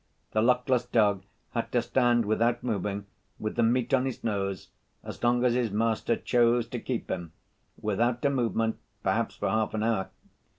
The luckless dog had to stand without moving, with the meat on his nose, as long as his master chose to keep him, without a movement, perhaps for half an hour.